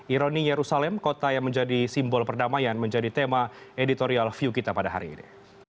ironi yerusalem kota yang menjadi simbol perdamaian menjadi tema editorial view kita pada hari ini